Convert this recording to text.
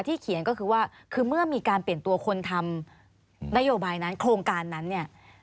เขียนก็คือว่าคือเมื่อมีการเปลี่ยนตัวคนทำนโยบายนั้นโครงการนั้นเนี่ย